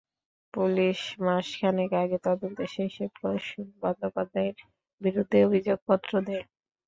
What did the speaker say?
Police মাস খানেক আগে তদন্ত শেষে প্রসূন বন্দ্যোপাধ্যায়ের বিরুদ্ধে অভিযোগপত্র দেয়।